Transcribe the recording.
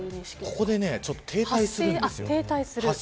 ここで停滞するんですよね。